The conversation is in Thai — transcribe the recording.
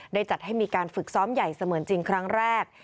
ในเวลาเดิมคือ๑๕นาทีครับ